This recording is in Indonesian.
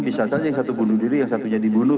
bisa saja yang satu bunuh diri yang satunya dibunuh